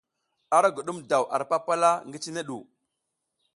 Ara dugum daw ar papala ngi cine ɗu.